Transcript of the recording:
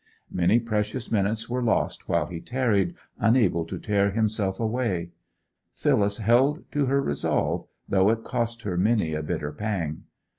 Many precious minutes were lost while he tarried, unable to tear himself away. Phyllis held to her resolve, though it cost her many a bitter pang.